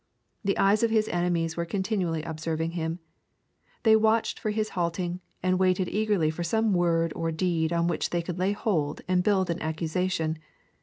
The eyes of His enemies were continually observing Him. They watched for His halt ing, and waited eagerly for some word or deed on which they could lay hold and build an accusation.